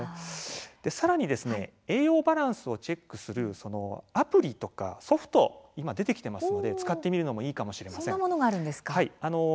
さらに栄養バランスをチェックするアプリとかソフト今、出てきていますので使ってみるのもいいかもしれません。